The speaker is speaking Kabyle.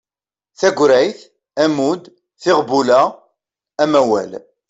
Tagrayt, ammud, tiɣbula, amawal